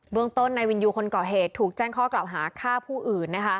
เมืองต้นนายวินยูคนก่อเหตุถูกแจ้งข้อกล่าวหาฆ่าผู้อื่นนะคะ